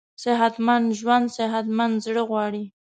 صحتمند ژوند صحتمند زړه غواړي.